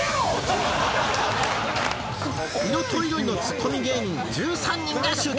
色とりどりのツッコミ芸人１３人が集結